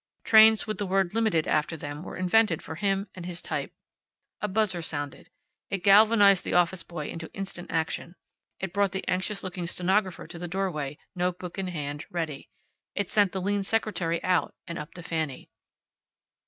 Trains with the word Limited after them were invented for him and his type. A buzzer sounded. It galvanized the office boy into instant action. It brought the anxious looking stenographer to the doorway, notebook in hand, ready. It sent the lean secretary out, and up to Fanny.